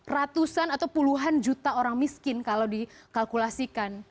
ratusan atau puluhan juta orang miskin kalau dikalkulasikan